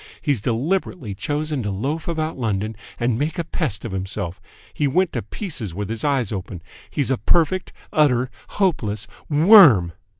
He's deliberately chosen to loaf about London and make a pest of himself. He went to pieces with his eyes open. He's a perfect, utter, hopeless WORM!"